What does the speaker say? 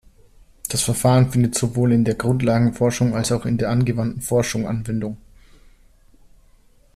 Das Verfahren findet sowohl in der Grundlagenforschung als auch in der angewandten Forschung Anwendung.